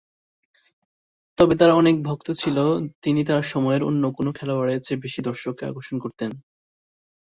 তবে তাঁর অনেক ভক্ত ছিল তিনি তাঁর সময়ের অন্য কোনও খেলোয়াড়ের চেয়ে বেশি দর্শককে আকর্ষণ করতেন।